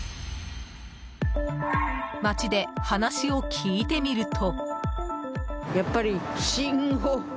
街で話を聞いてみると。